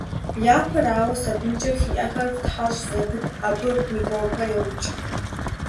Япэрауэ, сабынкӀэ фи Ӏэхэр фтхьэщӀ зэпыт, абы микробхэр еукӀ.